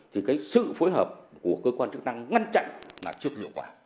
thì cái sự phối hợp của cơ quan chức năng ngăn chặn là chưa hiệu quả